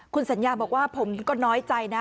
คุณสัญญาบอกว่าผมก็น้อยใจนะ